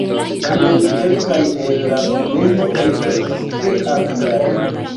Tamen kelkaj el la komentoj estis tre akraj.